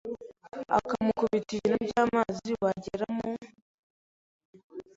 akamukubita ibintu by’amazi wagera mu